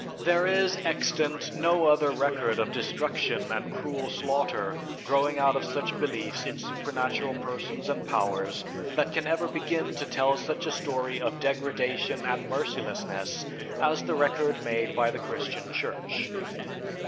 There is extant no other record of destruction and cruel slaughter growing out of such beliefs in supernatural persons and powers that can ever begin to tell such a story of degradation and mercilessness as the record made by the Christian Church.